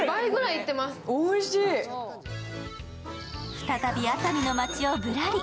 再び熱海の街をぶらり。